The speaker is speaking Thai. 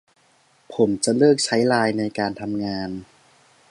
ผมจะเลิกใช้ไลน์ในการทำงาน